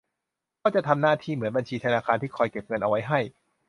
ก็จะทำหน้าที่เหมือนบัญชีธนาคารที่คอยเก็บเงินเอาไว้ให้